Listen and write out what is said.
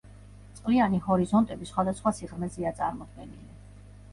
წყლიანი ჰორიზონტები სხვადასხვა სიღრმეზეა წარმოდგენილი.